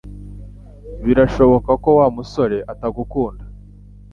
Birashoboka ko Wa musore atagukunda